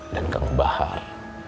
dan kang bahar